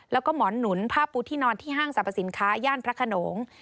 แล้วก็หมอนหนุนผ้าปูที่นอนที่ห้างสรรพสินค้าย่านพระขนง